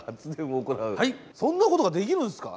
そんなことができるんすか！？